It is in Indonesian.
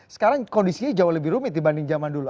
sekarang kondisinya jauh lebih rumit dibanding zaman dulu